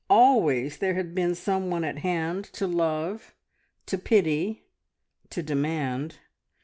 Always there had been some one at hand to love, to pity, to demand.